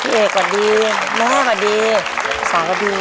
เอกก็ดีแม่ก็ดีภาษาก็ดี